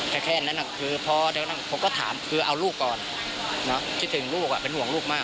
แค่แค่นั้นอ่ะคือพอเด็กผมก็ถามคือเอารูกก่อนนะพูดถึงลูกว่ะเป็นหวังลูกมาก